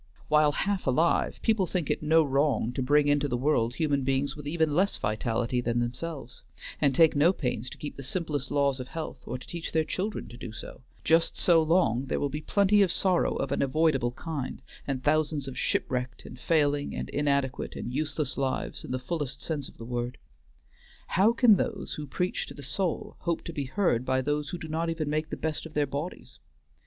While half alive people think it no wrong to bring into the world human beings with even less vitality than themselves, and take no pains to keep the simplest laws of health, or to teach their children to do so, just so long there will be plenty of sorrow of an avoidable kind, and thousands of shipwrecked, and failing, and inadequate, and useless lives in the fullest sense of the word. How can those who preach to the soul hope to be heard by those who do not even make the best of their bodies?